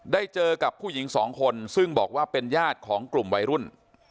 ได้เจอกับผู้หญิงสองคนซึ่งบอกว่าเป็นญาติของกลุ่มวัยรุ่น